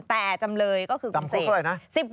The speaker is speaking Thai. แต่จำเลยก็คือจำคุกเท่าไหร่นะ